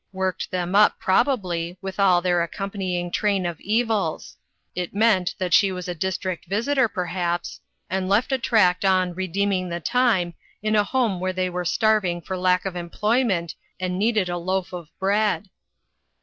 Worked them up, probably, with all their accompanying train of evils. It meant that she was a district visitor, per haps, and left a tract on ' Redeeming the Time ' in a home where they were starving for lack of employment, and needed a loaf of bread."